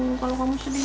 ya udah mama doain